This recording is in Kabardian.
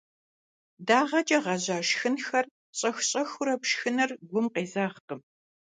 Дагъэкӏэ гъэжьа шхынхэр щӏэх-щӏэхыурэ пшхыныр гум къезэгъкъым.